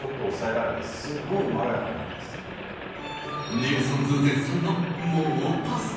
ネルソンズ絶賛の桃パスタ。